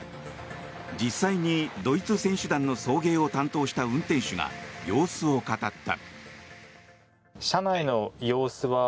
実際にドイツ選手団の送迎を担当した運転手が様子を語った。